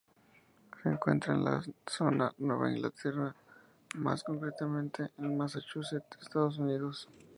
Se encuentra en la zona Nueva Inglaterra, más concretamente en Massachusetts, Estados Unidos.